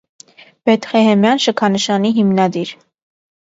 Բեթխեհեմյան շքանշանի հիմնադիր։